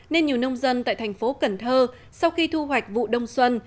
nên nhiều nông dân tại thành phố cần thơ sau khi thu hoạch vụ đông xuân